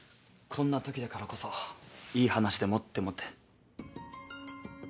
こんなときだからこそいい話でもって思って。